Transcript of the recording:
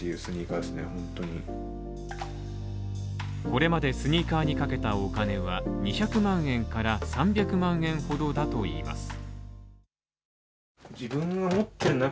これまでスニーカーにかけたお金は２００万円から３００万円ほどだといいます。